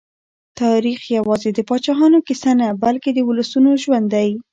تاریخ یوازې د پاچاهانو کیسه نه، بلکې د ولسونو ژوند دی.